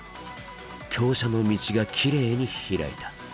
香車の道がきれいに開いた。